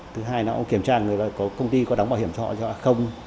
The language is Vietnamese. thứ hai là họ kiểm tra công ty có đóng bảo hiểm cho họ hay không